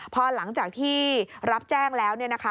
พอหลังจากที่รับแจ้งแล้วเนี่ยนะคะ